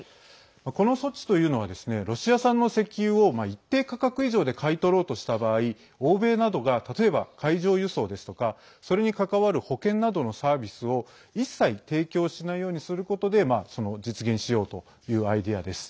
この措置というのはロシア産の石油を一定価格以上で買い取ろうとした場合欧米などが例えば、海上輸送ですとかそれに関わる保険などのサービスを一切提供しないようにすることで実現しようというアイデアです。